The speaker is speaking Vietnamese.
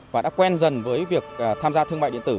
và đã quen dần với việc tham gia thương mại điện tử